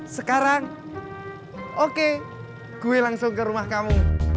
sekarang oke gue langsung ke rumah kamu